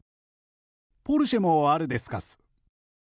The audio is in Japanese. ポルシェもあるですかす。